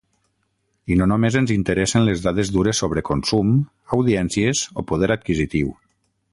I no només ens interessen les dades dures sobre consum, audiències o poder adquisitiu.